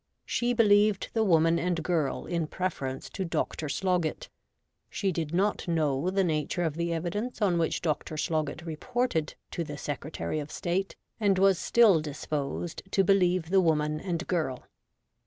She believed the woman and girl in preference to Dr. Sloggett. She did not know the nature of the evidence on which Dr. Sloggett reported to the Secretary of State, and was still disposed to believe the woman and girl.